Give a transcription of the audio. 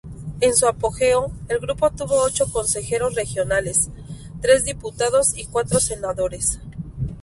En su apogeo, el grupo tuvo ocho consejeros regionales, tres diputados y cuatro senadores.